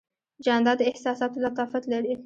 جانداد د احساساتو لطافت لري.